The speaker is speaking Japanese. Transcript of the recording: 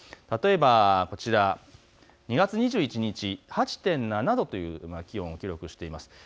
例えば２月２１日８．７度という気温を記録しています。